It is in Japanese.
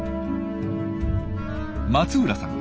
松浦さん